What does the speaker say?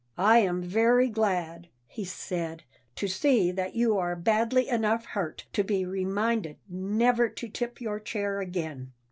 "I am very glad," he said, "to see that you are badly enough hurt to be reminded never to tip your chair again.